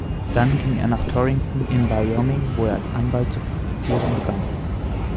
Dann ging er nach Torrington in Wyoming, wo er als Anwalt zu praktizieren begann.